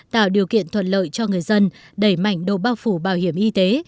tạo điều kiện thuận lợi cho người dân đẩy mạnh độ bao phủ bảo hiểm y tế